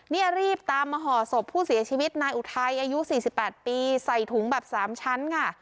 นี่รีบตามมาห่อศพผู้เสียชีวิตนายอุทัยอายุ๔๘ปีใส่ถุงแบบ๓ชั้นค่ะ